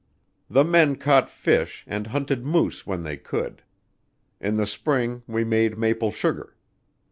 The men caught fish and hunted moose when they could. In the spring we made maple sugar.